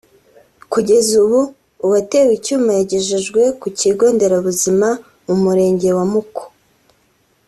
Kugeza ubu uwatewe icyuma yagejejwe ku kigo nderabuzima mu Murenge wa Muko